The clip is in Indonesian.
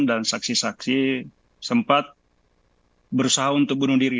dan saksi saksi sempat berusaha untuk bunuh diri